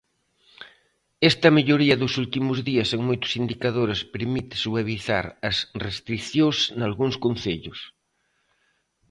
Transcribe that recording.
Esta melloría dos últimos días en moitos indicadores permite suavizar as restricións nalgúns concellos.